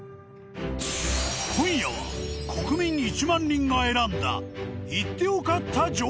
今夜は国民１万人が選んだ行って良かった城下町総選挙。